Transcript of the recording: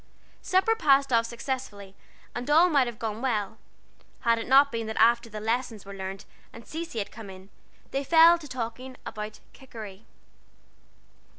Supper passed off successfully, and all might have gone well, had it not been that after the lessons were learned and Cecy had come in, they fell to talking about "Kikeri."